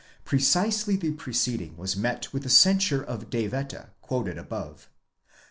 (Precisely the proceeding which met with the censure of De Wette quoted above.) 3.